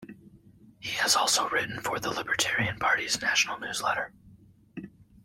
He has also written for the Libertarian Party's national newsletter.